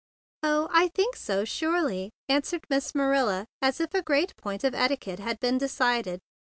"Oh, I think so, surely!" answered Miss Marilla as if a great point of eti¬ quette had been decided.